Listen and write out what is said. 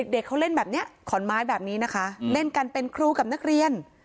เด็กเขาเล่นแบบนี้ขอนไม้แบบนี้นะคะเล่นกันเป็นครูกับนักเรียน